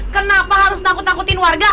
kenapa harus takut takutin warga